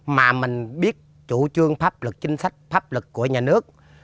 mà mình biết chủ trương pháp luật chính sách pháp luật của nhà nước